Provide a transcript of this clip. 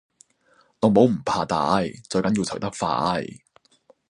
綠帽唔怕戴最緊要除得快